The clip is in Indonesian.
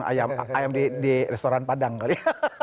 ayam di restoran padang kali ya